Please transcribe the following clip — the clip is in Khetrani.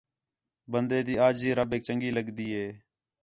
بندے تی عاجزی ربّیک چنڳی لڳدی ہِے